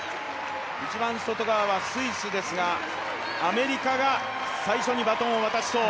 一番外側はスイスですがアメリカが最初にバトンを渡しそう。